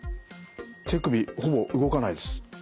手首ほぼ動かないです。